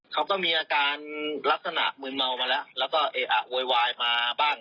เขาก็มีอาการลักษณะมืนเมามาแล้วแล้วก็เออะโวยวายมาบ้าง